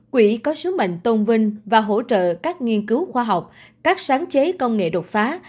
quỹ có sứ mệnh tôn vinh và hỗ trợ các nghiên cứu khoa học các sáng chế công nghệ đột phá